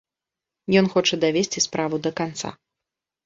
Ён хоча давесці справу да канца.